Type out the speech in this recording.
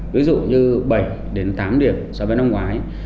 ví dụ như bảy đến tám điểm so với năm ngoái